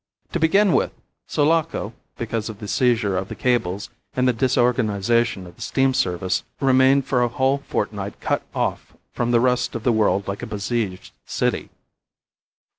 To begin with, Sulaco (because of the seizure of the cables and the disorganization of the steam service) remained for a whole fortnight cut off from the rest of the world like a besieged city.